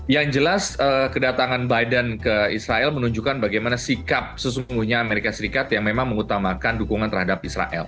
yang jelas kedatangan biden ke israel menunjukkan bagaimana sikap sesungguhnya amerika serikat yang memang mengutamakan dukungan terhadap israel